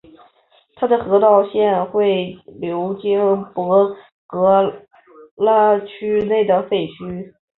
它的河道现会流经博格拉区内的废墟。